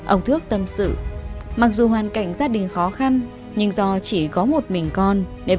ông thước tâm sự mặc dù hoàn cảnh gia đình khó khăn nhưng do chỉ có một mình con